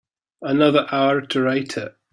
Another hour to write it.